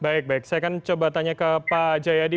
baik baik saya akan coba tanya ke pak jayadi